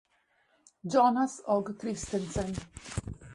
Jonas Høgh-Christensen